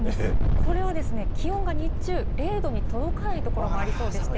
これは気温が日中、０度に届かない所もありそうでして。